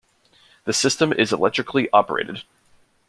The system is electrically operated.